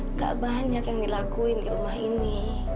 nggak banyak yang dilakuin di rumah ini